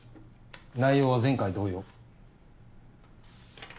内容は前回同様。